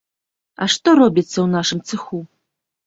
А што робіцца ў нашым цэху?